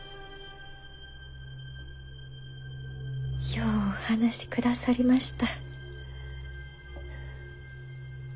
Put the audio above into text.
ようお話しくださりました。